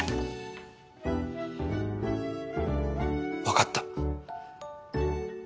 分かった。